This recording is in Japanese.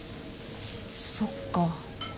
そっか。